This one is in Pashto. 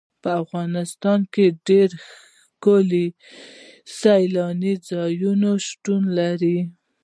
په افغانستان کې ډېر ښکلي سیلاني ځایونه شتون لري.